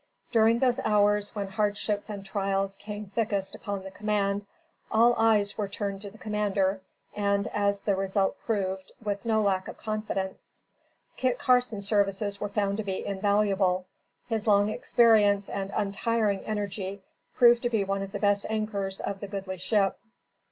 During those hours when hardships and trials came thickest upon the command, all eyes were turned to the commander, and, as the result proved, with no lack of confidence. Kit Carson's services were found to be invaluable. His long experience and untiring energy proved to be one of the best anchors of the goodly ship.